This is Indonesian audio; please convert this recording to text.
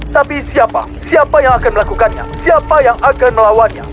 tapi siapa siapa yang akan melakukannya siapa yang akan melawannya